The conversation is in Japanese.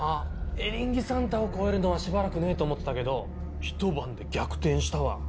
「エリンギサンタ」を超えるのはしばらくねえと思ってたけどひと晩で逆転したわ。